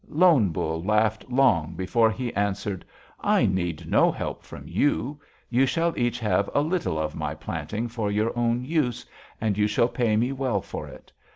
"Lone Bull laughed long before he answered: 'I need no help from you. You shall each have a little of my planting for your own use, and you shall pay me well for it.